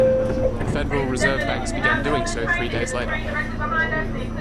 The Federal Reserve banks began doing so three days later.